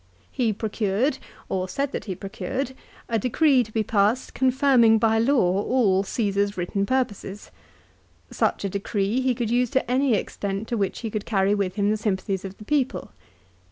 He procured, or said that he procured, a decree to be passed confirming by law all Caesar's written purposes. Such a decree he could use to any extent to which he could carry with him the sympathies of the people.